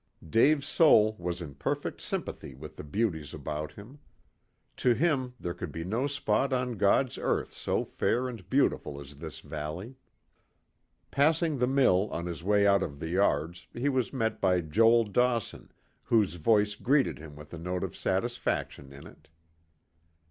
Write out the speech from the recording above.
Dave's soul was in perfect sympathy with the beauties about him. To him there could be no spot on God's earth so fair and beautiful as this valley. Passing the mill on his way out of the yards he was met by Joel Dawson, whose voice greeted him with a note of satisfaction in it.